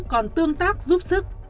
còn tương tác giúp sức